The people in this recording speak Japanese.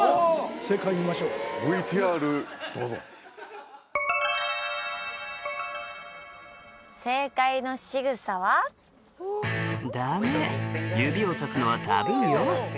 正解見ましょうＶＴＲどうぞ正解のしぐさはダメ指をさすのはタブーよ